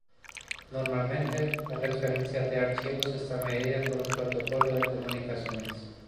Normalmente, la transferencia de archivos está mediada por un protocolo de comunicaciones.